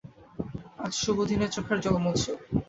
আজ শুভদিনে চোখের জল মোছো।